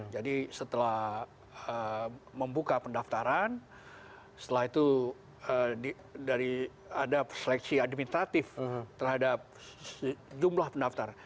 jadi setelah membuka pendaftaran setelah itu dari ada seleksi administratif terhadap jumlah pendaftar